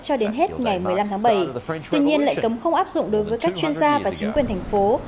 cho đến hết ngày một mươi năm tháng bảy tuy nhiên lệnh cấm không áp dụng đối với các chuyên gia và chính quyền thành phố